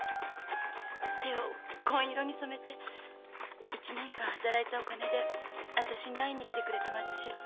手を紺色に染めて一年間働いたお金で私に会いに来てくれた松次郎さん。